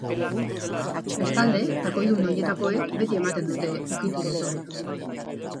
Bestalde, takoidun oinetakoek beti ematen dute ukitu dotorea.